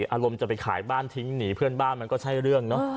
อารมณ์จะไปขายบ้านทิ้งหนีเพื่อนบ้านมันก็ใช่เรื่องเนอะ